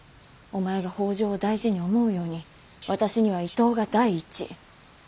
お前が北条を大事に思うように私には伊東が第一。